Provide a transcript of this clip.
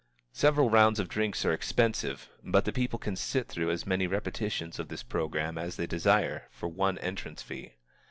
Several rounds of drinks are expensive, but the people can sit through as many repetitions of this programme as they desire, for one entrance fee.